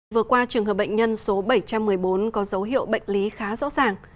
vừa qua trường hợp bệnh nhân số bảy trăm một mươi bốn có dấu hiệu bệnh lý khá rõ ràng